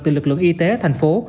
từ lực lượng y tế ở thành phố